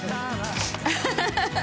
アハハハ！